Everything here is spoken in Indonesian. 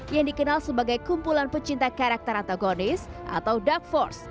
yang dikenal sebagai kumpulan pecinta karakter antagonis atau dak force